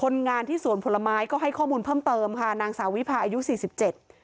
งานที่สวนผลไม้ก็ให้ข้อมูลเพิ่มเติมค่ะนางสาววิพาอายุสี่สิบเจ็ด